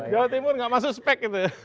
jawa timur tidak termasuk spek